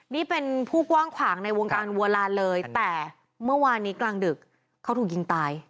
นี่เป็นผู้กว้างขวางในวงการวัวลานเลยแต่เมื่อวานนี้กลางดึกเขาถูกยิงตาย